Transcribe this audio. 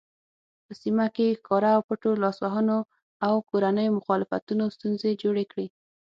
په سیمه کې ښکاره او پټو لاسوهنو او کورنیو مخالفتونو ستونزې جوړې کړې.